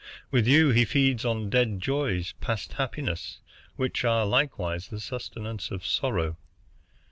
With you he feeds on dead joys, past happiness, which are likewise the sustenance of sorrow.